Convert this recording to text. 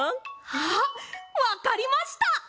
あっわかりました！